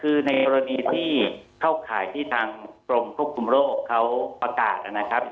คือในกรณีที่เข้าข่ายที่ทางกรมควบคุมโรคเขาประกาศนะครับ